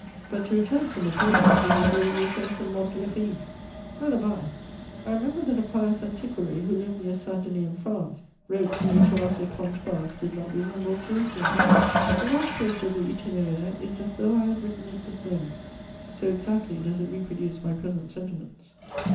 But to return from the Pyramids is as though you returned from Montlhéry. By the by, I remember that a pious antiquary, who lived near Saint Denis in France wrote to me to ask if Pontoise did not resemble Jerusalem. The last page of the Itinéraire is as though I had written it this moment, so exactly does it reproduce my present sentiments.